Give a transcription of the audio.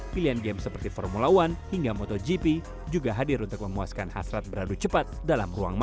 pilihan game seperti formula one hingga motogp juga hadir untuk memuaskan hasrat beradu cepat dalam ruangan